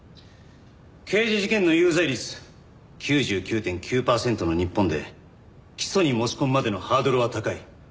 刑事事件の有罪率９９．９パーセントの日本で起訴に持ち込むまでのハードルは高い。